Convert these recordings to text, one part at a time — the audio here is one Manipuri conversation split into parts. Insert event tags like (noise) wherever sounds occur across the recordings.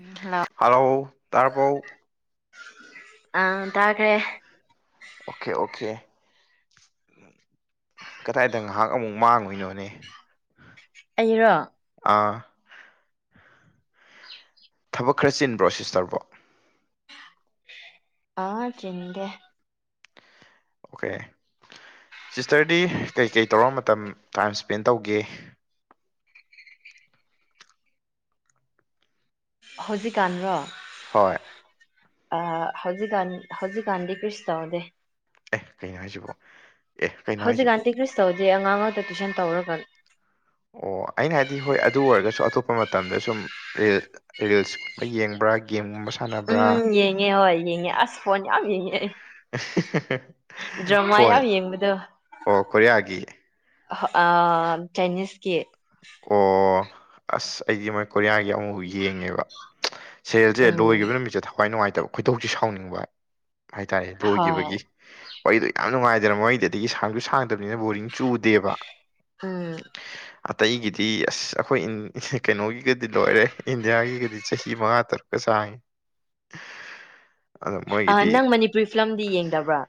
ꯎꯝ ꯍꯜꯂꯣ ꯍꯂꯣ ꯇꯔꯕꯣ ꯑ ꯇꯥꯈ꯭ꯔꯦ ꯑꯣꯀꯦ ꯑꯣꯀꯦ ꯀꯗꯥꯏꯗ ꯉꯥꯏꯍꯥꯛ ꯑꯃꯨꯛ ꯃꯥꯡꯉꯣꯏꯅꯣꯅꯦ ꯑꯩꯔꯣ ꯑꯥ ꯊꯕꯛ ꯈꯔ ꯆꯤꯟꯕ꯭ꯔꯣ ꯁꯤꯁ ꯇꯔꯕꯣ ꯑꯥ ꯆꯤꯟꯒꯦ ꯑꯣꯀꯦ ꯁꯤꯁꯇꯔꯗꯤ ꯀꯩꯀꯩ ꯇꯧꯔ ꯃꯇꯝ ꯇꯥꯏꯝ ꯁ꯭ꯄꯦꯟ ꯇꯧꯒꯦ ꯍꯧꯖꯤꯛꯀꯥꯟ꯭ꯔꯣ ꯍꯣꯏ ꯑ ꯍꯧꯖꯤꯛꯀꯥꯟ ꯍꯧꯖꯤꯛꯀꯥꯟꯗꯤ ꯀꯔꯤꯁꯨ ꯇꯧꯗꯦ ꯑꯦ ꯀꯩꯅꯣ ꯍꯥꯏꯁꯤꯕꯣ ꯑꯦ ꯀꯩꯅꯣ ꯍꯧꯖꯤꯛ ꯍꯥꯏꯁꯤꯕꯣ ꯑꯟꯇꯤ ꯈ꯭ꯔꯤꯁꯇꯧꯗꯤ ꯑꯉꯥꯡ ꯉꯥꯛꯇ ꯇꯨꯏꯁꯟ ꯇꯧꯔꯒ ꯑꯣ ꯑꯩꯅ ꯍꯥꯏꯗꯤ ꯍꯣꯏ ꯑꯗꯨ ꯑꯣꯏꯔꯒꯁꯨ ꯑꯇꯣꯞꯄ ꯃꯇꯝꯗ ꯁꯨꯝ ꯔꯤꯜꯁꯀꯨꯝꯕ ꯌꯦꯡꯕ꯭ꯔꯥ ꯒꯦꯝꯒꯨꯝꯕ ꯁꯥꯟꯅꯕ ꯎꯝ ꯌꯦꯡꯉꯦ ꯍꯣꯏ ꯌꯦꯡꯉꯦ ꯑꯁ ꯐꯣꯟ ꯌꯥꯝ ꯌꯦꯡꯉꯦ ꯗ꯭ꯔꯃꯥ ꯐꯣꯟ ꯌꯥꯝ ꯌꯦꯡꯕꯗꯣ ꯑꯣ ꯀꯣꯔꯤꯌꯥꯒꯤ ꯆꯥꯏꯅꯤꯁꯀꯤ ꯑꯣ ꯑꯁ ꯑꯩꯗꯤ ꯃꯣꯏ ꯀꯣꯔꯤꯌꯥꯒꯤ ꯑꯃꯨꯐꯥꯎ ꯌꯦꯡꯉꯦꯕ ꯁꯦꯜꯁꯦ ꯎꯝ ꯂꯣꯏꯈꯤꯕ ꯅꯨꯃꯤꯠꯁꯦ ꯊꯋꯥꯏ ꯅꯨꯡꯉꯥꯏꯇꯕ ꯈꯣꯏꯗꯧꯁꯤ ꯁꯥꯎꯅꯤꯡꯕ ꯍꯥꯏꯇꯥꯔꯦ ꯍꯣꯏ ꯂꯣꯏꯈꯤꯕꯒꯤ ꯃꯗꯣ ꯌꯥꯝ ꯅꯨꯡꯉꯥꯏꯗꯅ ꯃꯣꯏꯗꯤ ꯑꯗꯒꯤ ꯁꯥꯡꯁꯨ ꯁꯥꯡꯗꯕꯅꯤꯅ ꯕꯣꯔꯤꯡ ꯆꯨꯗꯦꯕ ꯎꯝ ꯑꯇꯩꯒꯤꯗꯤ ꯑꯁ ꯑꯩꯈꯣꯏ ꯀꯩꯅꯣꯒꯤꯒꯗꯤ ꯂꯣꯏꯔꯦ ꯏꯟꯗꯤꯌꯥꯒꯤꯒꯗꯤ ꯆꯍꯤ ꯃꯉꯥ ꯇꯔꯨꯛꯀ ꯆꯥꯡꯏ (inaudible) ꯑ ꯃꯣꯏꯒꯤꯗꯤ ꯅꯪ ꯃꯅꯤꯄꯨꯔꯤ ꯐꯤꯂꯝꯗꯤ ꯌꯦꯡꯗꯕ꯭ꯔꯥ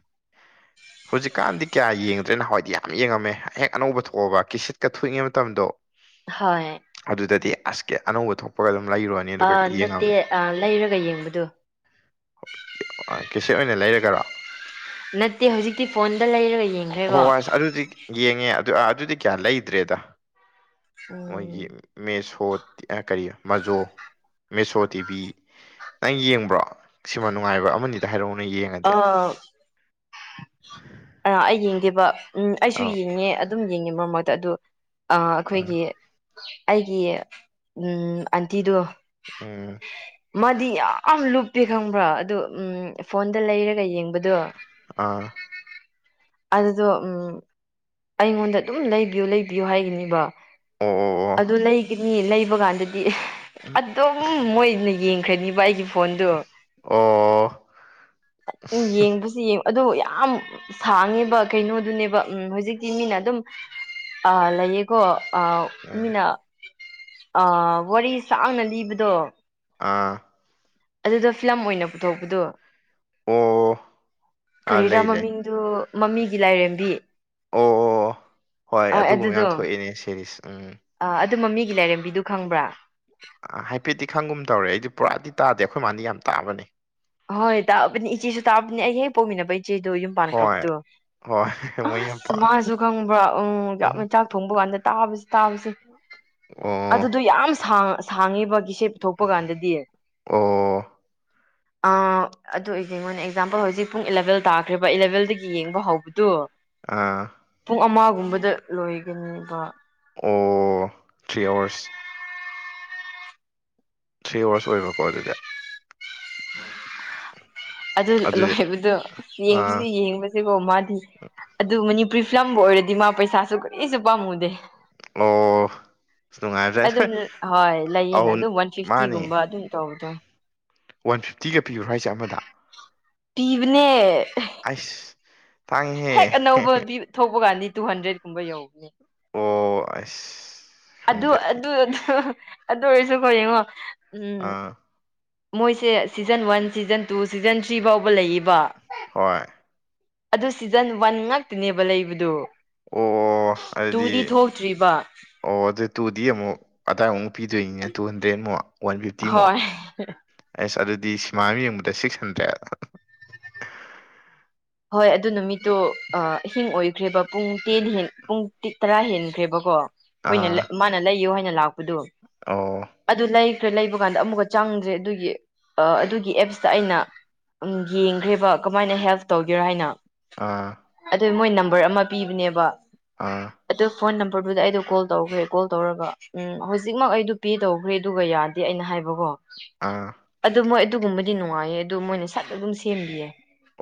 ꯍꯧꯖꯤꯛꯀꯥꯟꯗꯤ ꯀꯌꯥ ꯌꯦꯡꯗ꯭ꯔꯦꯅꯣ ꯍꯋꯥꯏꯗꯤ ꯌꯥꯝ ꯌꯦꯡꯉꯝꯃꯦ ꯍꯦꯛ ꯑꯅꯧꯕ ꯊꯣꯛꯑꯕ ꯀꯤꯁꯤꯠꯀ ꯊꯣꯛꯏꯉꯤ ꯃꯇꯝꯗꯣ ꯍꯣꯏ ꯑꯗꯨꯗꯗꯤ ꯑꯁ ꯀꯦ ꯑꯅꯧꯕ ꯊꯣꯛꯄꯒ ꯑꯗꯨꯝ ꯂꯩꯔꯣꯏ ꯑ ꯅꯠꯇꯦ ꯂꯩꯔꯒ ꯌꯦꯡꯕꯗꯣ ꯀꯦꯁꯦꯠ ꯑꯣꯏꯅ ꯂꯩꯔꯒꯔꯣ ꯅꯠꯇꯦ ꯍꯧꯖꯤꯛꯇꯤ ꯐꯣꯟꯗ ꯂꯩꯔꯒ ꯌꯦꯡꯉ ꯍꯣꯏ ꯍꯣꯏ ꯑꯁ ꯑꯗꯨꯗꯤ ꯌꯦꯡꯉꯦ ꯑꯗꯨꯗꯤ ꯀꯌꯥ ꯂꯩꯗ꯭ꯔꯦꯗ ꯎꯝ ꯃꯣꯏꯒꯤ ꯃꯦꯁꯣ ꯀꯔꯤ ꯃꯖꯣ ꯃꯦꯁꯣ ꯇꯤꯚꯤ ꯅꯪ ꯌꯦꯡꯕ꯭ꯔꯣ ꯁꯤꯃ ꯅꯨꯡꯉꯥꯏꯕ ꯑꯃꯅꯤꯗ ꯍꯥꯏꯔꯛꯎ ꯅꯪ ꯌꯦꯡꯉꯗꯤ ꯑ ꯑ ꯑꯩ ꯌꯦꯡꯗꯦꯕ ꯎꯝ ꯑꯩꯁꯨ ꯑꯥ ꯌꯦꯡꯉꯦ ꯑꯗꯨꯝ ꯌꯦꯡꯉꯦ ꯃꯔꯛ ꯃꯔꯗ ꯑꯗꯨ ꯑꯥ ꯑꯩꯈꯣꯏꯒꯤ ꯑꯩꯒꯤ ꯑꯟꯇꯤꯗꯣ ꯎꯝ ꯃꯥꯗꯤ ꯌꯥꯝ ꯂꯨꯞꯇꯦ ꯈꯪꯕ꯭ꯔꯣ ꯑꯗꯨ ꯎꯝ ꯐꯣꯟꯗ ꯂꯩꯔꯒ ꯌꯦꯡꯕꯗꯣ ꯑꯥ ꯑꯗꯨꯗꯣ ꯑꯩꯉꯣꯟꯗ ꯑꯗꯨꯝ ꯂꯩꯕꯤꯌꯨ ꯂꯩꯕꯤꯌꯨ ꯍꯥꯏꯒꯅꯤꯕ ꯑ ꯑ ꯑꯗꯨ ꯂꯩꯒꯅꯤ ꯂꯩꯕ ꯀꯥꯟꯗꯗꯤ ꯑꯗꯨꯝ ꯃꯣꯏꯅ ꯌꯦꯡꯈ꯭ꯔꯅꯤꯕ ꯑꯩꯒꯤ ꯐꯣꯟꯗꯨ ꯑꯣ ꯌꯦꯡꯕꯁꯨ ꯌꯦꯡ ꯑꯗꯨ ꯌꯥꯝ ꯁꯥꯡꯉꯤꯕ ꯀꯩꯅꯣꯗꯨꯅꯦꯕ ꯎꯝ ꯍꯧꯖꯤꯛꯇꯤ ꯃꯤꯅ ꯑꯗꯨꯝ ꯑ ꯂꯩꯌꯦꯀꯣ ꯑ ꯑꯥ ꯃꯤꯅ ꯋꯥꯔꯤ ꯁꯥꯡꯅ ꯂꯤꯕꯗꯣ ꯑꯥ ꯑꯗꯨꯗ ꯐꯤꯂꯝ ꯑꯣꯏꯅ ꯄꯨꯊꯣꯛꯄꯗꯣ ꯑꯣ ꯑꯥ ꯀꯔꯤꯔꯥ ꯂꯩ ꯂꯩ ꯃꯃꯤꯡ ꯑꯗꯨ ꯃꯃꯤꯒꯤ ꯂꯥꯏꯔꯦꯝꯕꯤ ꯑꯣ ꯑꯣ ꯍꯣꯏ ꯑꯗꯨꯒꯨꯝꯕ ꯑꯗꯨꯗꯣ ꯌꯥꯝ ꯊꯣꯛꯑꯦꯅꯦ ꯁꯦꯔꯤꯁ ꯎꯝ ꯑ ꯑꯗꯨ ꯃꯃꯤꯒꯤ ꯂꯥꯏꯔꯦꯝꯕꯤꯗꯨ ꯈꯪꯕ꯭ꯔꯥ ꯑ ꯍꯥꯏꯐꯦꯠꯇꯤ ꯈꯪꯒꯨꯝ ꯇꯧꯔꯦ ꯑꯩꯗꯤ ꯄꯨꯔꯥꯗꯤ ꯇꯥꯗꯦ ꯑꯩꯈꯣꯏ ꯃꯥꯗꯤ ꯌꯥꯝ ꯇꯥꯕꯅꯦ ꯍꯣꯏ ꯇꯥꯛꯑꯕꯅꯤ ꯏꯆꯦꯁꯨ ꯇꯥꯛꯕꯅꯤ ꯑꯩ ꯍꯦꯛ ꯄꯣꯛꯃꯤꯟꯅꯕ ꯏꯆꯦꯗꯣ ꯌꯨꯝ ꯍꯣꯏ ꯄꯥꯟꯈꯕꯗꯣ ꯍꯣꯏ ꯃꯣꯏ ꯌꯥꯝ ꯑꯁ ꯃꯥꯁꯨ ꯈꯪꯕ꯭ꯔꯥ ꯎꯝ ꯌꯥꯝꯅ ꯄꯥꯝ ꯆꯥꯛ ꯊꯣꯡꯕ ꯀꯥꯟꯗ ꯇꯥꯕꯁꯦ ꯇꯥꯕꯁꯦ ꯑꯣ ꯑꯗꯨꯗꯣ ꯌꯥꯝꯥꯡ ꯁꯥꯡꯉꯦꯕ ꯀꯤꯁꯦꯠ ꯄꯨꯊꯣꯛꯄ ꯀꯥꯟꯗꯗꯤ ꯑꯣ ꯑ ꯑꯗꯨ ꯑꯣꯏꯁꯦꯉꯣꯟꯅ ꯑꯦꯛꯖꯥꯝꯄꯜ ꯍꯧꯖꯤꯛ ꯄꯨꯡ ꯏꯂꯚꯦꯜ ꯇꯥꯈ꯭ꯔꯦꯕ ꯏꯂꯚꯦꯜꯗꯒꯤ ꯌꯦꯡꯕ ꯍꯧꯕꯗꯨꯣ ꯑꯥ ꯄꯨꯡ ꯑꯃꯒꯨꯝꯕꯗ ꯂꯣꯏꯒꯅꯦꯕ ꯑꯣ ꯊ꯭ꯔꯤ ꯑꯥꯋꯥꯔꯁ ꯊ꯭ꯔꯤ ꯑꯋꯥꯔꯁ ꯑꯣꯏꯕꯀꯣ ꯑꯗꯨꯗꯤ ꯑꯗꯨ ꯑꯗꯨꯗꯤ ꯂꯣꯏꯕꯗꯣ ꯑꯥ ꯌꯦꯡ ꯕꯣ ꯃꯥꯗꯤ ꯑꯗꯨ ꯃꯅꯤꯄꯨꯔꯤ ꯐꯤꯂꯝꯕꯨ ꯑꯣꯏꯔꯗꯤ ꯃꯥ ꯄꯩꯁꯥꯁꯨ ꯀꯔꯤꯁꯨ ꯄꯥꯝꯃꯨꯗꯦ ꯑꯣ ꯑꯁ ꯅꯨꯡꯉꯥꯏꯕꯖꯥꯠꯅꯤ ꯍꯣꯏ ꯑꯗꯨꯝ ꯍꯣꯏ ꯂꯩꯌꯦꯅ ꯑꯧ ꯑꯗꯨꯝ ꯋꯥꯟ ꯐꯤꯐꯇꯤꯒꯨꯝꯕ ꯃꯥꯅꯦ ꯑꯗꯨꯝ ꯇꯧꯕꯗ ꯋꯥꯟ ꯐꯤꯞꯇꯤꯒ ꯄꯤꯔꯨꯔꯣ ꯍꯥꯏꯁꯦ ꯑꯃꯗ ꯄꯤꯕꯅꯦ ꯑꯩꯁ ꯊꯥꯡꯉꯤꯍꯦ ꯍꯦꯛ ꯑꯅꯧꯕ ꯊꯣꯛꯄ ꯀꯥꯟꯗꯤ ꯇꯨ ꯍꯟꯗ꯭ꯔꯦꯗꯀꯨꯝꯕ ꯌꯧꯧꯕꯅꯤ ꯑꯣ ꯑꯁ ꯑꯗꯨ ꯈꯪꯗꯦ ꯑꯗꯨ ꯑꯗꯨ ꯑꯣꯏꯔꯁꯨꯀꯣ ꯌꯦꯡꯉꯣ ꯎꯝ ꯑꯥ ꯃꯣꯏꯁꯦ season one season two season three ꯐꯥꯎꯕ ꯂꯩꯌꯦꯕ ꯍꯣꯏ ꯑꯗꯨ ꯁꯤꯖꯟ ꯋꯥꯟ ꯉꯥꯛꯇꯤꯅꯦꯕ ꯂꯩꯕꯗꯨ ꯑꯣ ꯑꯣ ꯑꯗꯨꯗꯤ ꯇꯨꯗꯤ ꯊꯣꯛꯇ꯭ꯔꯤꯕ ꯑꯣ ꯑꯗꯨ ꯇꯨꯗꯤ ꯑꯃꯨꯛ ꯑꯗꯥꯏ ꯑꯃꯨꯛ ꯍꯥꯞꯄꯤꯗꯣꯏꯅꯤꯅꯦ ꯇꯨ ꯍꯟꯗ꯭ꯔꯦꯠꯃꯨꯛ ꯋꯥꯟ ꯐꯤꯐꯇꯤꯃꯨꯛ ꯍꯣꯏ ꯑꯁ ꯑꯗꯨꯗꯤ ꯁꯤꯃꯥ ꯑꯃ ꯌꯦꯡꯕꯗ ꯁꯤꯛꯁ ꯍꯟꯗ꯭ꯔꯦꯗ ꯍꯣꯏ ꯑꯗꯨ ꯅꯨꯃꯤꯠꯇꯨ ꯑꯍꯤꯡ ꯑꯣꯏꯈ꯭ꯔꯦꯕ ꯄꯨꯡ ꯇꯦꯟ ꯄꯨꯡ ꯇꯔꯥ ꯍꯦꯟꯈ꯭ꯔꯦꯕꯀꯣ ꯑꯩꯈꯣꯏꯅ ꯑꯥ ꯃꯥꯅ ꯂꯩꯌꯣ ꯍꯥꯏꯅ ꯂꯥꯛꯄꯗꯨꯣ ꯑꯣ ꯑꯗꯨ ꯂꯩꯈ꯭ꯔꯦ ꯂꯩꯕ ꯀꯥꯟꯗ ꯑꯃꯨꯛꯀ ꯆꯪꯗ꯭ꯔꯦ ꯑꯗꯨꯒꯤ ꯑꯗꯨꯒꯤ ꯑꯦꯞꯁꯇ ꯑꯩꯅ ꯎ ꯌꯦꯡꯈ꯭ꯔꯦꯕ ꯀꯃꯥꯏꯅ ꯍꯦꯜꯞ ꯇꯧꯒꯦꯔꯥ ꯍꯥꯏꯅ ꯑꯥ ꯑꯗꯨ ꯃꯣꯏ ꯅꯝꯕꯔ ꯑꯃ ꯄꯤꯕꯅꯦꯕ ꯑꯥ ꯑꯗꯨ ꯐꯣꯟ ꯅꯝꯕꯔꯗꯨꯗ ꯑꯩꯗꯣ ꯀꯣꯜ ꯇꯧꯈ꯭ꯔꯦ ꯀꯣꯜ ꯇꯧꯔꯒ ꯎꯝ ꯍꯧꯖꯤꯛꯃꯛ ꯑꯩꯗꯣ ꯄꯦ ꯇꯧꯈ꯭ꯔꯦ ꯑꯗꯨꯒ ꯌꯥꯗꯦ ꯗꯤ ꯑꯩꯅ ꯍꯥꯏꯕꯀꯣ ꯑꯥ ꯑꯗꯨ ꯃꯣꯏ ꯑꯗꯨꯒꯨꯝꯕꯗꯤ ꯅꯨꯡꯉꯥꯏꯌꯦ ꯑꯗꯨ ꯃꯣꯏꯅ ꯁꯛ ꯑꯗꯨꯝ ꯁꯦꯝꯕꯤꯌꯦ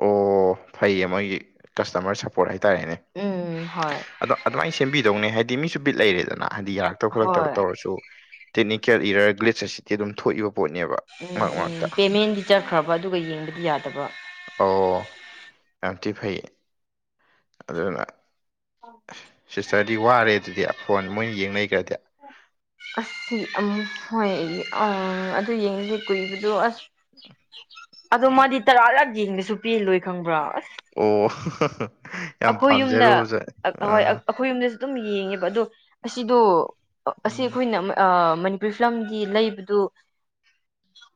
ꯑꯣ ꯐꯩꯌꯦ ꯃꯣꯏꯒꯤ ꯀꯁꯇꯃꯔ ꯁꯞꯄꯣꯔꯠ ꯍꯥꯏꯇꯥꯔꯦꯅꯦ ꯎꯝ ꯍꯣꯏ ꯑꯗꯣ ꯑꯗꯨꯃꯥꯏꯅ ꯁꯦꯝꯕꯤꯗꯧꯅꯦ ꯍꯥꯏꯗꯤ ꯃꯤꯁꯨ ꯕꯤꯠ ꯂꯩꯔꯦꯗꯅ ꯍꯥꯏꯗꯤ ꯌꯥꯔꯛꯇꯕ ꯈꯣꯠꯂꯛꯇꯕ ꯍꯣꯏ ꯇꯧꯔꯁꯨ ꯇꯦꯛꯅꯤꯀꯦꯜ ꯏꯔ ꯒ꯭ꯦꯠꯁ ꯑꯁꯤꯁꯤꯗꯤ ꯑꯗꯨꯝ ꯊꯣꯛꯏꯕ ꯄꯣꯠꯅꯦꯕ ꯎꯝ ꯃꯔꯛ ꯎꯝ ꯃꯔꯛꯇ ꯄꯦꯃꯦꯟꯗꯤ ꯆꯠꯈ꯭ꯔꯕ ꯑꯗꯨꯒ ꯌꯦꯡꯕꯗꯤ ꯌꯥꯗꯕ ꯑꯣ ꯑꯝꯗꯤ ꯐꯩ ꯑꯗꯨꯅ ꯁꯤꯁꯇꯔꯗꯤ ꯋꯥꯔꯦ ꯑꯗꯨꯗꯤ ꯐꯣꯟ ꯃꯣꯏꯅ ꯌꯦꯡ ꯂꯩꯈ꯭ꯔꯗꯤ ꯑ ꯑꯃ ꯍꯣꯏ ꯑꯩꯪ ꯑꯗꯨ ꯌꯦꯡꯉꯁꯦ ꯀꯨꯏꯕꯗꯣ ꯑꯁ ꯑꯗꯣ ꯃꯥꯗꯤ ꯇꯔꯥ ꯂꯥꯛ ꯌꯦꯡꯗꯁꯨ ꯄꯦꯜ ꯂꯣꯏ ꯈꯪꯕ꯭ꯔꯥ ꯑꯁ ꯑꯣ ꯌꯥꯝ ꯑꯩꯈꯣꯏ ꯄꯥꯝꯖꯔꯣ ꯌꯨꯝꯗ ꯑꯣꯖꯛ ꯑ ꯍꯣꯏ ꯑꯩꯈꯣꯏ ꯌꯨꯝꯗꯁꯨ ꯑꯗꯨꯝ ꯌꯦꯡꯉꯦꯕ ꯑꯗꯣ ꯑꯁꯤꯗꯣ ꯑꯁꯤ ꯎꯝ ꯑꯩꯈꯣꯏꯅ ꯃꯅꯤꯄꯨꯔꯤ ꯐꯤꯂꯝꯒꯤ ꯂꯩꯕꯗꯨ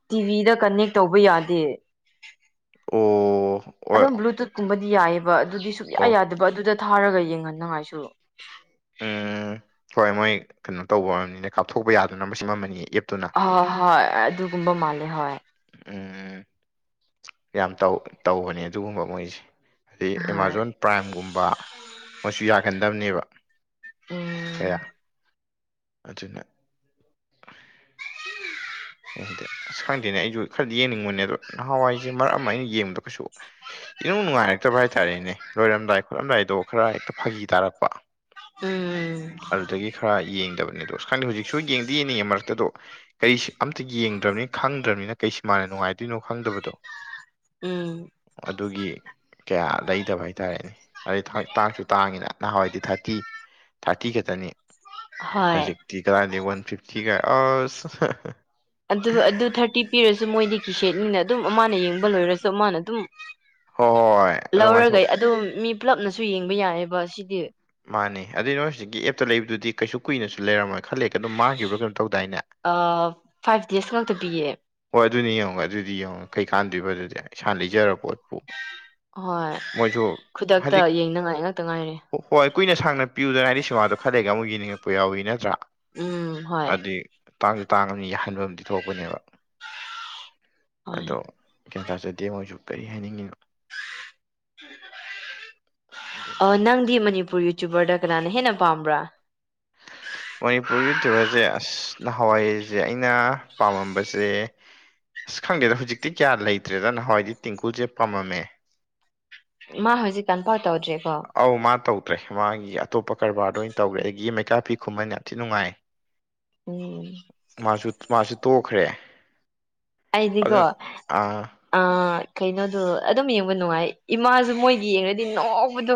ꯇꯤꯚꯤꯗ ꯀꯅꯦꯛ ꯇꯧꯕ ꯌꯥꯗꯦ ꯑ ꯑꯗꯨꯝ ꯕ꯭ꯂꯨꯇꯨꯠꯀꯨꯝꯕꯗꯤ ꯌꯥꯏꯑꯕ ꯑꯗꯨꯗꯤ ꯁꯨꯡꯌꯥ ꯑꯣ ꯌꯥꯗꯕ ꯑꯗꯨꯗ ꯊꯥꯔꯒ ꯌꯦꯡꯍꯟꯅꯉꯥꯏꯁꯨ ꯎꯝ ꯍꯣꯏ ꯃꯣꯏ ꯀꯩꯅꯣ ꯇꯧꯕ ꯑꯣꯏꯝꯅꯤꯅ ꯀꯥꯞꯊꯣꯛꯄ ꯌꯥꯗꯅꯕ ꯃꯁꯤꯃꯃꯜꯅꯤ ꯑꯦꯞꯇꯨꯅ ꯍꯣꯏ ꯍꯣꯏ ꯑꯗꯨꯒꯨꯝꯕ ꯃꯥꯜꯂꯦ ꯍꯣꯏ ꯑꯣ ꯌꯥꯝ ꯇꯧꯕꯅꯦ ꯑꯗꯨꯒꯨꯝꯕ ꯃꯣꯏꯁꯦ ꯑꯗꯩ ꯍꯣꯏ ꯑꯦꯃꯥꯖꯣꯟ ꯄ꯭ꯔꯥꯏꯝꯒꯨꯝꯕ ꯑꯃꯁꯨ ꯌꯥꯒꯟꯗꯕꯅꯦꯕ ꯎꯝ ꯀꯌꯥ ꯑꯗꯨꯅ ꯎꯝ ꯀꯩ ꯈꯗꯦ ꯑꯁ ꯈꯪꯗꯦꯅꯦ ꯑꯩꯁꯨ ꯈꯔꯗꯤ ꯌꯦꯡꯅꯤꯡꯕꯅꯦ ꯑꯗꯣ ꯅꯍꯥꯟꯋꯥꯏꯁꯦ ꯃꯔꯛ ꯑꯃ ꯑꯩꯅ ꯌꯦꯡꯕꯗ ꯀꯩꯁꯨ ꯏꯅꯨꯡ ꯅꯨꯡꯉꯥꯏꯔꯛꯇꯕ ꯍꯥꯏꯇꯥꯔꯦꯅꯦ ꯂꯣꯏꯔꯝꯗꯥꯏ ꯈꯣꯠꯂꯝꯗꯥꯏꯗꯣ ꯈꯔ ꯍꯦꯛꯇ ꯐꯥꯒꯤ ꯇꯥꯔꯛꯄ ꯎꯝ ꯑꯗꯨꯗꯒꯤ ꯈꯔ ꯌꯦꯡꯗꯕꯅꯦꯗꯣ ꯑ ꯈꯗꯤ ꯍꯧꯖꯤꯛꯁꯨ ꯌꯦꯡꯗꯤ ꯌꯦꯡꯅꯤꯡꯉꯦ ꯃꯔꯛꯇꯗꯣ ꯀꯔꯤꯁ ꯑꯝꯇ ꯌꯦꯡꯗ꯭ꯔꯕꯅꯤ ꯈꯪꯗ꯭ꯔꯕꯅꯤꯅ ꯀꯩꯁꯨꯃꯥꯟꯅ ꯅꯨꯡꯉꯥꯏꯗꯣꯏꯅꯣ ꯈꯪꯗꯕꯗꯣ ꯎꯝ ꯑꯗꯨꯒꯤ ꯀꯌꯥ ꯂꯩꯗꯕ ꯍꯥꯏꯇꯥꯔꯦꯅꯦ ꯑꯗꯩ ꯇꯥꯡꯁꯨ ꯇꯥꯡꯉꯤꯅ ꯅꯍꯥꯟꯋꯥꯏꯗꯤ ꯊꯥꯔꯇꯤ ꯊꯥꯔꯇꯤ ꯈꯛꯇꯅꯤ ꯍꯣꯏ ꯍꯧꯖꯤꯛꯇꯤ ꯀꯗꯥꯏꯗ ꯋꯥꯟ ꯐꯤꯐꯇꯤꯒ ꯑꯁ ꯑꯗꯨ ꯑꯗꯨ ꯊꯥꯔꯇꯤ ꯄꯤꯔꯁꯨ ꯃꯣꯏꯗꯤ ꯀꯤꯁꯦꯠꯅꯤꯅ ꯑꯗꯨꯝ ꯑꯃꯅ ꯌꯦꯡꯕ ꯂꯣꯏꯔꯁꯨ ꯑꯃꯅ ꯑꯗꯨꯝ ꯍꯣꯏ ꯍꯣꯏ ꯑꯗꯨꯝ ꯉꯥꯏꯊꯣꯛ ꯂꯧꯔꯒꯩ ꯑꯗꯨ ꯃꯤ ꯄꯨꯂꯞꯅꯁꯨ ꯌꯦꯡꯕ ꯌꯥꯏꯑꯕ ꯁꯤꯗꯤ ꯃꯥꯅꯦ ꯑꯗꯨꯏ ꯅꯣ ꯍꯧꯖꯤꯛꯀꯤ ꯑꯦꯞꯇ ꯂꯩꯕꯗꯨꯗꯤ ꯀꯩꯁꯨ ꯀꯨꯏꯅꯁꯨ ꯂꯩꯔꯝꯃꯣꯏ ꯈꯜꯂꯦ ꯀ ꯑꯗꯨꯝ ꯃꯥꯡꯈꯤꯕ꯭ꯔꯥ ꯀꯩꯅꯣ ꯇꯧꯗꯥꯏꯅꯦ ꯐꯥꯏꯚ ꯗꯦꯖ ꯉꯇ ꯄꯤꯌꯦ ꯍꯣꯏ ꯑꯗꯨꯅꯤ ꯌꯦꯡꯉꯒꯦ ꯑꯗꯨꯗꯤ ꯌꯦꯡꯉꯦ ꯀꯩꯀꯥꯟꯗ꯭ꯔꯤꯕ ꯑꯗꯨꯗꯤ ꯏꯁꯥꯅ ꯂꯩꯖꯔ ꯄꯣꯠꯄꯨ ꯍꯣꯏ ꯃꯣꯏꯁꯨ ꯈꯨꯗꯛꯇ ꯌꯦꯡꯅꯉꯥꯏ ꯉꯛꯇ ꯉꯥꯏꯔꯦ ꯑꯣ ꯍꯣꯏ ꯀꯨꯏꯅ ꯁꯥꯡꯅ ꯄꯤꯌꯗꯅ ꯍꯥꯏꯗꯤ ꯁꯤꯃꯥꯗꯣ ꯈꯜꯂꯩꯒ ꯑꯃꯨꯛ ꯌꯦꯡꯅꯤꯡꯉꯛꯄ ꯌꯥꯎꯏ ꯅꯠꯇ꯭ꯔꯥ ꯎꯝ ꯍꯣꯏ ꯑꯗꯨꯗꯤ ꯇꯥꯡꯁꯨ ꯇꯥꯡꯉꯅꯤ ꯌꯥꯍꯟꯕ ꯑꯃꯗꯤ ꯊꯣꯛꯄꯅꯦꯕ ꯍꯣꯏ ꯑꯗꯣ ꯒ꯭ꯌꯥ ꯇꯥꯖꯗꯦ ꯃꯣꯏꯁꯨ ꯀꯔꯤ ꯍꯥꯏꯅꯤꯡꯉꯤꯅꯣ ꯑꯗꯨꯅ ꯅꯪꯗꯤ ꯃꯅꯤꯄꯨꯔ ꯌꯨꯇ꯭ꯨꯕꯔꯗ ꯀꯅꯥꯅ ꯍꯦꯟꯅ ꯄꯥꯝꯕ꯭ꯔꯥ (unintelligible) ꯃꯅꯤꯄꯨꯔ ꯌꯨꯇ꯭ꯌꯨꯕꯔꯁꯦ ꯑꯁ ꯅꯍꯥꯟꯋꯥꯏꯁꯦ ꯑꯩꯅ ꯄꯥꯝꯃꯝꯕꯁꯦ ꯑꯁ ꯈꯪꯗꯦꯗ ꯍꯧꯖꯤꯛꯇꯤ ꯀꯌꯥ ꯂꯩꯇ꯭ꯔꯦꯗ ꯅꯍꯥꯟꯋꯥꯏꯗꯤ ꯇꯦꯡꯀꯨꯁꯦ ꯄꯥꯝꯃꯦ ꯃꯥ ꯍꯧꯖꯤꯛ ꯀꯟꯐꯥꯎ ꯇꯧꯗ꯭ꯔꯦꯀꯣ ꯑꯧ ꯃꯥ ꯇꯧꯗ꯭ꯔꯦ ꯃꯥꯒꯤ ꯑꯇꯣꯞꯄ ꯀꯔꯕꯥꯔꯗ ꯑꯣꯏꯅ ꯇꯧꯈ꯭ꯔꯦ ꯑꯗꯒꯤ ꯃꯩꯀꯥ ꯐꯤ ꯈꯨꯨꯝꯍꯟ ꯌꯥꯝꯊꯤ ꯅꯨꯡꯉꯥꯏ (unintelligible) ꯃꯥꯁꯨ ꯃꯥꯁꯨ ꯇꯣꯛꯈ꯭ꯔꯦ꯫ ꯑꯩꯗꯤꯀꯣ ꯑꯗꯨꯅ ꯑꯥ ꯑ ꯀꯩꯅꯣꯗꯣ ꯑꯗꯨꯝ ꯌꯦꯡꯕ ꯅꯨꯡꯉꯥꯏ ꯏꯃꯥꯁꯨ ꯃꯣꯏꯒꯤ ꯌꯦꯡꯉꯗꯤ ꯅꯣꯛꯄꯗ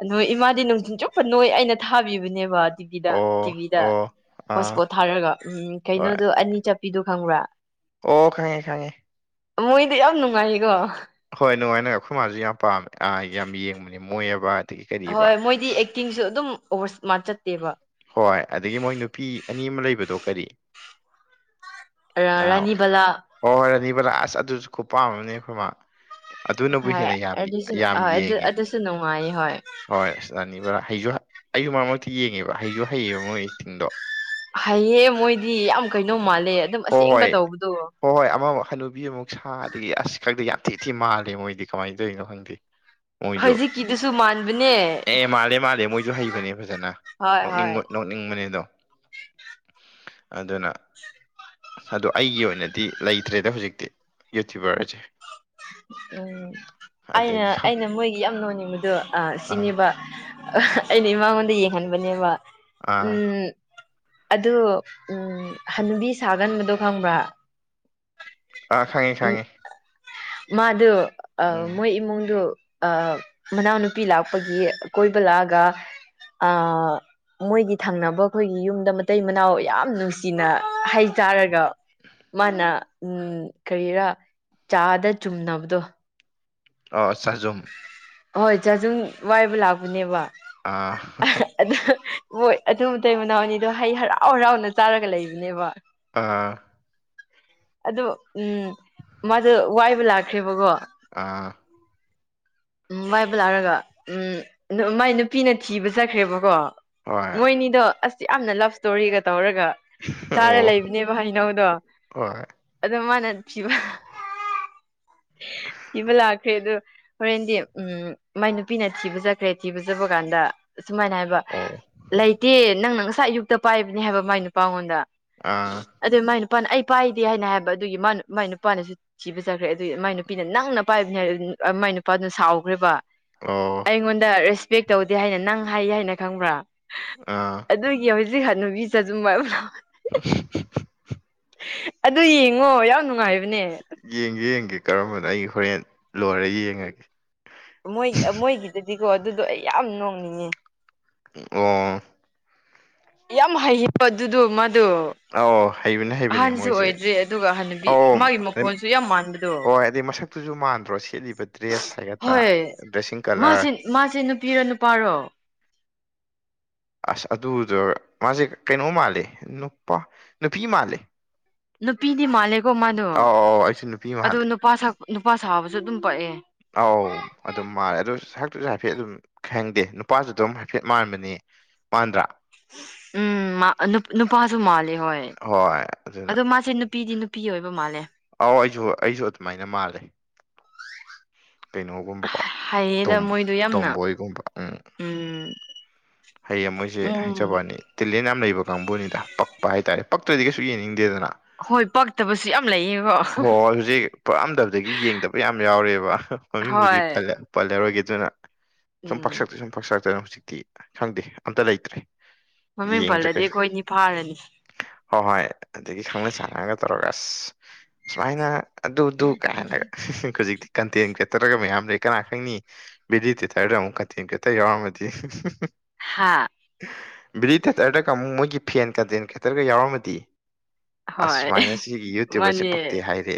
ꯑꯗꯣ ꯏꯃꯥꯗꯤ ꯅꯨꯡꯊꯤꯟ ꯆꯨꯞꯄ ꯅꯣꯏ ꯑꯩꯅ ꯊꯥꯕꯤꯕꯅꯦꯕ ꯇꯤꯚꯤꯗ ꯑꯣ ꯇꯤꯚꯤꯗ ꯑꯣ ꯑꯥ ꯍꯣꯠꯁꯄꯣꯠ ꯊꯥꯔꯒ ꯎꯝ ꯍꯣꯏ ꯀꯩꯅꯣꯗꯣ ꯑꯅꯤ ꯆꯠꯄꯤꯗꯣ ꯈꯪꯕ꯭ꯔꯥ ꯑꯣ ꯈꯪꯉꯦ ꯈꯪꯉꯦ꯫ ꯃꯣꯏꯗꯤ ꯌꯥꯝ ꯅꯨꯡꯉꯥꯏꯌꯦꯀꯣ꯫ ꯍꯣꯏ ꯅꯨꯡꯉꯥꯏꯅ ꯑꯩꯈꯣꯏ ꯃꯥꯁꯨ ꯌꯥꯝ ꯄꯥꯝꯃꯦ ꯌꯥꯝ ꯌꯦꯡꯕꯅꯤ ꯃꯣꯏꯑꯕ ꯑꯗꯒꯤ ꯍꯣꯏ ꯀꯔꯤꯑꯕ ꯃꯣꯏꯗꯤ ꯑꯦꯛꯇꯤꯡꯁꯨ ꯑꯗꯨꯝ ꯑꯣꯕꯔ ꯁꯃꯥꯔꯠ ꯆꯠꯇꯦꯕ꯫ ꯍꯣꯏ ꯑꯗꯒꯤ ꯃꯣꯏ ꯅꯨꯄꯤ ꯑꯅꯤ ꯑꯃ ꯂꯩꯕꯗꯣ ꯀꯔꯤ ꯑꯥ ꯔꯥꯅꯤꯕꯂꯥ ꯍꯣꯏ ꯍꯣꯏ ꯔꯥꯅꯤꯕꯂꯥ ꯑꯁ ꯑꯗꯨꯁꯨ ꯈꯨꯄꯥꯝꯑꯃꯅꯤ ꯑꯩꯈꯣꯏ ꯃꯥ ꯑꯗꯨꯅꯕꯨ ꯍꯥꯏ ꯍꯦꯟꯅ ꯌꯥꯝ ꯑꯗꯨꯁꯨ ꯌꯥꯝ ꯍꯣꯏ ꯑꯗꯨ ꯌꯦꯡꯉꯦ ꯑꯗꯨꯁꯨ ꯅꯨꯡꯉꯥꯏꯌꯦ ꯍꯣꯏ ꯍꯣꯏ ꯑꯁ ꯔꯥꯅꯤꯕꯂꯥ ꯍꯩꯁꯨ ꯑꯩꯁꯨ ꯃꯔ ꯃꯔꯛꯇꯤ ꯌꯦꯡꯉꯦꯕ ꯍꯩꯁꯨ ꯍꯩꯌꯦꯕ ꯃꯣꯏ ꯑꯦꯛꯇꯤꯡꯗꯣ ꯍꯩꯑꯦ ꯃꯣꯏꯗꯤ ꯌꯥꯝ ꯀꯩꯅꯣ ꯍꯣꯏ ꯃꯥꯜꯂꯦ ꯑꯗꯨꯝ ꯑꯁꯦꯡꯕ ꯍꯣꯏ ꯇꯧꯕꯗꯣ ꯍꯣꯏ ꯍꯣꯏ ꯑꯃꯃ ꯍꯅꯨꯕꯤ ꯑꯃꯨꯛ ꯁꯥ ꯑꯗꯒꯤ ꯑꯁ ꯈꯡꯗꯦ ꯌꯥꯝ ꯊꯤ ꯊꯤ ꯃꯥꯜꯂꯦ ꯃꯣꯏꯗꯤ ꯀꯃꯥꯏꯅ ꯇꯧꯔꯤꯅꯣ ꯈꯪ ꯃꯣꯏꯖꯨ ꯍꯧꯖꯤꯛꯀꯤꯗꯨꯁꯨ ꯃꯥꯟꯕꯅꯦ ꯑꯦ ꯃꯥꯂꯦ ꯃꯥꯂꯦ ꯃꯣꯏꯖꯨ ꯍꯩꯕꯅꯦ ꯐꯖꯅ ꯍꯣꯏ ꯍꯣꯏ ꯅꯣꯛꯅꯤꯡꯕ ꯅꯣꯛꯅꯤꯡꯕꯅꯦ ꯑꯗꯨꯝ ꯑꯗꯨꯅ ꯑꯗꯣ ꯑꯩꯒꯤ ꯑꯣꯏꯅꯗꯤ ꯂꯩꯇ꯭ꯔꯦꯗ ꯍꯧꯖꯤꯛꯇꯤ ꯌꯨꯇ꯭ꯌꯨꯕꯔꯖꯦ ꯎꯝ ꯑꯩꯅ ꯑꯗꯒꯤ ꯈꯪ ꯑꯩꯅ ꯃꯣꯏꯒꯤ ꯌꯥꯝ ꯅꯣꯟꯅꯤꯡꯕꯗꯣ ꯑꯥ ꯁꯤꯅꯦꯕ ꯑꯩꯅ ꯃꯉꯣꯟꯗ ꯌꯦꯡꯍꯟꯕꯅꯦꯕ ꯑꯥ ꯎꯝ ꯑꯗꯨ ꯍꯅꯨꯕꯤ ꯁꯥꯒꯟꯕꯗꯣ ꯈꯪꯕ꯭ꯔꯥ ꯑꯥ ꯈꯡꯉꯤ ꯎꯝ ꯈꯡꯉꯤ꯫ ꯃꯥꯗꯨ ꯑ ꯎꯝ ꯃꯣꯏ ꯏꯃꯨꯡꯗꯨ ꯑ ꯃꯅꯥꯎꯅꯨꯄꯤ ꯂꯥꯛꯄꯒꯤ ꯀꯣꯏꯕ ꯂꯥꯛꯑꯒ ꯑ ꯃꯣꯏꯒꯤ ꯊꯪꯅꯕ ꯑꯩꯈꯣꯏꯒꯤ ꯌꯨꯝꯗ ꯃꯇꯩ ꯃꯅꯥꯎ ꯌꯥꯝ ꯅꯨꯡꯁꯤꯅ ꯍꯩ ꯆꯥꯔꯒ ꯃꯥꯅ ꯎꯝ ꯀꯔꯤꯔꯥ ꯆꯥꯗ ꯆꯨꯝꯅꯕꯗꯣ ꯑ ꯆꯥꯖꯨꯝ ꯍꯣꯏ ꯆꯥꯖꯨꯝ ꯋꯥꯏꯕ ꯂꯥꯛꯄꯅꯦꯕ ꯑꯥ (unintelligible) ꯑꯗꯨ ꯍꯣꯏ ꯑꯗꯨꯕꯨ ꯇꯩ ꯃꯅꯥꯎꯅꯤꯗꯣ ꯍꯩ ꯍꯔꯥꯎ ꯍꯔꯥꯎꯅ ꯆꯥꯔꯒ ꯂꯩꯕꯅꯦꯕ ꯑꯥ ꯑꯗꯣ ꯎꯝ ꯃꯥꯗꯣ ꯋꯥꯏꯕ ꯂꯥꯛꯈ꯭ꯔꯦꯕꯀꯣ ꯑꯥ ꯎꯝ ꯃꯥꯗꯣ ꯂꯥꯛꯑꯒ ꯎꯝ ꯃꯥꯏ ꯅꯨꯄꯤꯅ ꯊꯤꯕ ꯆꯠꯈ꯭ꯔꯦꯕꯀꯣ ꯍꯣꯏ ꯃꯣꯏꯅꯤꯗꯣ ꯑꯁ ꯌꯥꯝꯅ ꯂꯞ ꯏꯁꯇꯣꯔꯤꯒ ꯇꯧꯔꯒ ꯆꯥꯔ ꯑꯣ ꯂꯩꯕꯅꯦꯕ ꯍꯩꯅꯧꯗꯣ ꯍꯣꯏ ꯑꯗꯣ ꯃꯥꯅ ꯊꯤꯕ (unintelligible) ꯊꯤꯕ ꯂꯥꯛꯈ꯭ꯔꯦ ꯑꯗꯣ ꯍꯣꯔꯦꯟꯗꯤ ꯎꯝ ꯃꯥꯏ ꯅꯨꯄꯤꯅ ꯊꯤꯕ ꯆꯠꯈ꯭ꯔꯦ ꯊꯤꯕ ꯆꯠꯄ ꯀꯥꯟꯗ ꯁꯨꯃꯥꯏꯅ ꯍꯥꯏꯕ ꯑꯣ ꯂꯩꯇꯦ ꯅꯪꯅ ꯉꯁꯥꯏ ꯑꯌꯨꯛꯇ ꯄꯥꯏꯕꯅꯦ ꯍꯥꯏꯕ ꯃꯥꯏ ꯅꯨꯄꯥꯉꯣꯟꯗ ꯑꯥ ꯑꯗꯨ ꯃꯥꯏ ꯅꯨꯄꯥꯅ ꯑꯩ ꯄꯥꯏꯗꯦ ꯍꯥꯏꯅ ꯍꯥꯏꯕ ꯑꯗꯨꯒꯤ ꯃꯥ ꯃꯥꯏ ꯅꯨꯄꯥꯅ ꯊꯤꯕꯆꯡꯈ꯭ꯔꯦ ꯑꯗꯨꯏ ꯃꯥꯏ ꯅꯨꯄꯤꯅ ꯅꯪꯅ ꯄꯥꯏꯕꯅꯤ ꯍꯥꯏ ꯃꯥꯏ ꯅꯨꯄꯥꯗꯨꯅ ꯁꯥꯎꯈ꯭ꯔꯦꯕ ꯑꯣ ꯑꯩꯉꯣꯟꯗ ꯔꯦꯁꯄꯦꯛ ꯇꯧꯗꯦ ꯍꯥꯏꯅ ꯅꯪ ꯍꯥꯏ ꯍꯥꯏꯅ ꯈꯪꯕ꯭ꯔꯥ ꯑꯥ ꯑꯗꯨꯒꯤ ꯍꯧꯖꯤꯛ ꯍꯅꯨꯕꯤ (unintelligible) (unintelligible) ꯑꯗꯨ ꯌꯦꯡꯉꯣ ꯌꯥꯝ ꯅꯨꯡꯉꯥꯏꯕꯅꯦ꯫ ꯌꯦꯡꯒꯦ ꯌꯦꯡꯒꯦ ꯀꯔꯝꯕꯅꯣ ꯑꯩ ꯍꯣꯔꯦꯟ ꯂꯣꯏꯔ ꯌꯦꯡꯉꯒꯦ꯫ ꯃꯣꯏ ꯃꯣꯏꯒꯤꯗꯗꯤꯀꯣ ꯑꯗꯨꯗꯣ ꯑꯩ ꯌꯥꯝ ꯅꯣꯡꯅꯤꯡꯉꯦ ꯑꯣ ꯌꯥꯝ ꯍꯩꯕ ꯑꯗꯨꯗꯣ ꯃꯥꯗꯣ ꯑꯧ ꯍꯩꯕꯅꯦ ꯍꯩꯕꯅꯤ ꯑꯍꯟꯁꯨ ꯃꯣꯏꯁꯦ ꯑꯣꯏꯗ꯭ꯔꯤ ꯑꯗꯨꯒ ꯍꯅꯨꯕꯤ ꯑꯧ ꯃꯥꯒꯤ ꯍ ꯃꯈꯣꯟꯁꯨ ꯌꯥꯝ ꯃꯥꯟꯕꯗꯣ ꯑꯗꯨꯗꯤ ꯃꯁꯛ ꯄꯛꯇꯨꯁꯨ ꯃꯥꯟꯗ꯭ꯔꯣ ꯁꯦꯠꯂꯤꯕ ꯗ꯭ꯔꯦꯁ ꯍꯥꯏꯒꯗ꯭ꯔꯥ ꯍꯣꯏ ꯗ꯭ꯔꯦꯁꯤꯡ ꯀꯂꯔ ꯃꯥꯁꯦ ꯃꯥꯁꯦ ꯅꯨꯄꯤꯔꯣ ꯅꯨꯄꯥꯔꯣ ꯑꯁ ꯑꯗꯨꯗꯨ ꯃꯥꯁꯦ ꯀꯩꯅꯣ ꯃꯥꯜꯂꯦ ꯅꯨꯄꯥ ꯅꯨꯄꯤ ꯃꯥꯜꯂꯦ ꯅꯨꯄꯤꯗꯤ ꯃꯥꯜꯂꯦꯀꯣ ꯃꯥꯗꯣ ꯑꯧ ꯑꯧ ꯑꯩꯁꯨ ꯅꯨꯄꯤ ꯑꯗꯣ ꯃꯥꯜꯂꯦ ꯅꯨꯄꯥ ꯅꯨꯄꯥ ꯁꯥꯕꯁꯨ ꯑꯗꯨꯝ ꯄꯛꯑꯦ ꯑꯧ ꯑꯗꯨꯝ ꯃꯥꯜꯂꯦ ꯑꯗꯨ ꯁꯛꯇꯨꯁꯨ ꯍꯥꯏꯐꯦꯠ ꯑꯗꯨꯝ ꯈꯪꯗꯦ ꯅꯨꯄꯥꯁꯨ ꯑꯗꯨꯝ ꯍꯥꯏꯐꯦꯠ ꯃꯥꯟꯕꯅꯤ ꯃꯥꯟꯗ꯭ꯔ ꯎꯝ ꯃꯥ ꯅꯨ ꯅꯨꯄꯥꯁꯨ ꯃꯥꯂꯤ ꯍꯣꯏ ꯍꯣꯏ ꯑꯗꯨꯅ ꯑꯗꯨ ꯃꯥ ꯁꯦ ꯅꯨꯄꯤꯗꯤ ꯅꯨꯄꯤ ꯑꯣꯏꯕ ꯃꯥꯜꯂꯦ ꯑꯥꯎ ꯑꯩꯁꯨ ꯑꯩꯁꯨ ꯑꯗꯨꯃꯥꯏꯅ ꯃꯥꯜꯂꯦ ꯀꯩꯅꯣꯒꯨꯝꯕꯀꯣ ꯍꯩꯌꯦꯗ ꯇꯣꯝ ꯃꯣꯏꯗꯣ ꯌꯥꯝꯅ ꯇꯣꯝꯕꯣꯏꯒꯨꯝꯕ ꯎꯝ ꯎꯝ ꯍꯩꯌꯦ ꯃꯣꯏꯁꯦ ꯎꯝ ꯍꯩꯖꯕ ꯋꯥꯅꯤ꯫ ꯇꯦꯂꯦꯟ ꯌꯥꯝ ꯂꯩꯕ ꯀꯥꯡꯕꯨꯅꯤꯗ ꯄꯛꯄ ꯍꯥꯏꯇꯥꯔꯦ ꯄꯛꯇ꯭ꯔꯗꯤ ꯀꯩꯁꯨ ꯌꯦꯡꯅꯤꯡꯗꯦꯗꯅ ꯍꯣꯏ ꯄꯛꯇꯕꯁꯨ ꯌꯥꯝ ꯂꯩꯌꯦ ꯍꯣꯏ ꯍꯣꯏ ꯍꯧꯖꯤꯛ ꯄꯛꯑꯝꯗꯕꯗꯒꯤ ꯌꯦꯡꯗꯕ ꯌꯥꯝ ꯌꯥꯎꯔꯦꯕ ꯃꯃꯤꯡꯕꯨꯗꯤ ꯍꯣꯏ ꯄꯜꯂꯦ ꯄꯜꯂꯥꯔꯣꯏꯒꯦ ꯑꯗꯨꯅ ꯁꯨꯝ ꯎꯝ ꯄꯥꯛꯁꯜꯂꯛꯇꯔ꯭ꯦ ꯁꯨꯝ ꯄꯥꯛꯁꯛꯇꯅ ꯍꯧꯖꯤꯛꯇꯤ ꯈꯪꯗꯦ ꯑꯝꯇ ꯂꯩꯇ꯭ꯔꯦ ꯃꯃꯤꯡ ꯌꯦꯡꯗ꯭ꯔꯦ ꯄꯜꯂꯗꯤ ꯀꯩꯁꯨ ꯑꯩꯈꯣꯏꯅꯤ ꯐꯥꯔꯅꯤ ꯍꯣ ꯍꯣꯏ ꯑꯗꯒꯤ ꯈꯪꯅ ꯆꯥꯟꯅꯒ ꯇꯧꯔꯒꯥ ꯑꯁ ꯁꯨꯃꯥꯏꯅ ꯑꯗꯨꯗꯨ ꯀꯥꯏꯅꯒ ꯍꯧꯖꯤꯛꯇꯤ ꯀꯟꯇꯦꯟ ꯀꯔꯦꯇꯔꯒ ꯃꯌꯥꯝ ꯂꯩ ꯀꯅꯥ ꯈꯪꯅꯤ ꯕꯦꯂꯤꯗꯦ ꯇꯔꯗꯥꯥ ꯑꯃꯨꯛ ꯀꯟꯇꯦꯟꯠ ꯀꯔꯦꯇꯔ ꯌꯥꯎꯔꯝꯗꯤ ꯍꯥꯥ ꯕꯤꯂꯤꯗꯦꯇꯔꯗꯒ ꯑꯃꯨꯛ ꯃꯣꯏꯒꯤ ꯐꯦꯟ ꯀꯟꯇꯦꯟ ꯀꯦꯇꯔꯒ ꯌꯥꯎꯔꯝꯃꯗꯤ ꯑꯁ ꯍꯣꯏ ꯁꯨꯃꯥꯏꯅ ꯁꯤꯒꯤ ꯌꯨꯇ꯭ꯌꯨꯕꯔꯁꯦ ꯃꯥꯅꯦ ꯄꯛꯇꯦ ꯍꯥꯏꯔꯦ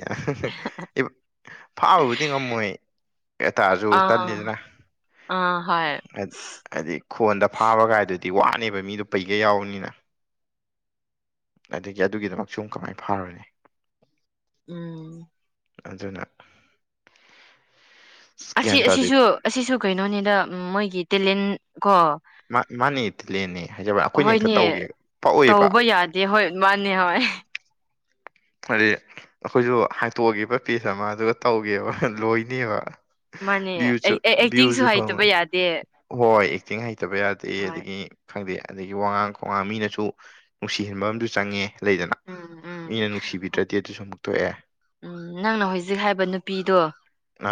ꯐꯥꯕꯕꯨꯗꯤ ꯉꯝꯃꯣꯏ ꯑꯗꯣꯑꯣꯏꯇꯥꯔꯁꯨ ꯑꯥ ꯇꯜꯂꯤꯗꯅ ꯑꯥ ꯍꯣꯏ ꯍꯥꯏꯗꯤ ꯈꯣꯟꯗ ꯐꯥꯕꯒꯥꯏꯗꯨꯗꯤ ꯋꯥꯅꯦꯕ ꯃꯤꯗꯣ ꯄꯩꯒ ꯌꯥꯎꯕꯅꯤꯅ ꯑꯗꯒꯤ ꯑꯗꯨꯒꯤꯗꯃꯛ ꯁꯨꯝ ꯀꯃꯥꯏꯅ ꯐꯥꯔꯨꯔꯅꯤ ꯎꯝ ꯑꯗꯨꯅ ꯑꯁ ꯑꯁꯤ ꯒ꯭ꯌꯥꯟ ꯇꯥꯗꯦ ꯑꯁꯤꯁꯨ ꯑꯁꯤꯁꯨ ꯀꯩꯅꯣꯅꯤꯗ ꯃꯣꯏꯒꯤ ꯇꯦꯂꯦꯟ ꯀꯣ ꯃꯥ ꯃꯥꯅꯦ ꯇꯦꯂꯦꯟꯠꯅꯤ ꯍꯥꯏꯖꯕ ꯑꯩꯈꯣꯏꯅ ꯍꯦꯛꯇ ꯇꯧꯒꯦ ꯄꯛꯑꯣꯏꯕ ꯑꯗꯨ ꯍꯣꯏ ꯃꯥꯅꯤ ꯍꯣꯏ ꯍꯥꯏꯗꯤ ꯑꯩꯈꯣꯏꯁꯨ ꯍꯡꯇꯣꯛꯑꯒꯦꯕꯥ ꯄꯦꯖ ꯑꯃ ꯑꯗꯨꯒ ꯇꯧꯒꯦꯕ ꯂꯣꯏꯅꯦꯕ ꯃꯥꯅꯦ ꯚ꯭ꯨꯁꯨ ꯑꯩ ꯑꯦꯛꯇꯤꯡꯁꯨ ꯚ꯭ꯌꯨꯁꯨ ꯍꯩꯇꯕ ꯐꯪꯉꯣꯏ ꯌꯥꯗꯦ ꯍꯣꯏ ꯑꯦꯛꯇꯤꯡ ꯍꯩꯇꯕ ꯌꯥꯗꯦ ꯍꯣꯏ ꯑꯗꯒꯤ ꯈꯪꯗꯦ ꯑꯗꯒꯤ ꯋꯥꯉꯥꯡ ꯈꯣꯡꯉꯥꯡ ꯃꯤꯅꯁꯨ ꯅꯨꯡꯁꯤꯍꯟꯕ ꯑꯝꯁꯨ ꯆꯪꯉꯦ ꯂꯩꯗꯅ ꯎꯝ ꯎꯝ ꯃꯤꯅ ꯅꯨꯡꯁꯤꯕꯤꯗ꯭ꯔꯗꯤ ꯑꯗꯨꯁꯨ ꯑꯃꯨꯛ ꯇꯣꯛꯑꯦ ꯎꯝ ꯅꯪꯅ ꯍꯧꯖꯤꯛ ꯍꯥꯏꯕ ꯅꯨꯄꯤꯗꯣ